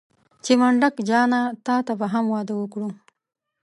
چې منډک جانه تاته به هم واده وکړو.